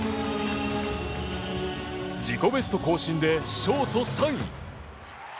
自己ベスト更新でショート３位。